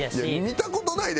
見た事ないで？